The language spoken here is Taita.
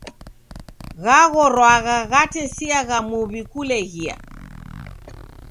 Ghaghorwagha ghatesiagha muw'I kuleghia.